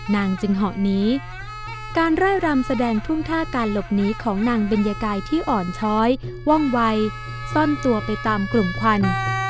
นางจึงเหาะนี้การไล่รำแสดงทุ่งท่าการหลบหนีของนางเบญกายที่อ่อนช้อยว่องวัยซ่อนตัวไปตามกลุ่มควัน